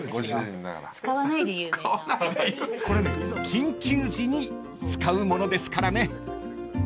［緊急時に使うものですからね］